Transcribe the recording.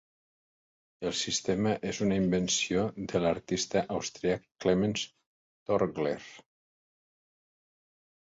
El sistema és una invenció de l'artista austríac Klemens Torggler.